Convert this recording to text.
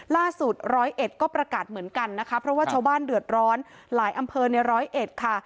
ล่าสุดร้อยเอ็ดก็ประกาศเหมือนกันนะคะเพราะว่าชาวบ้านเดือดร้อนหลายอำเภอในร้อยเอ็ดค่ะ